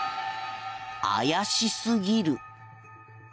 怪しすぎる。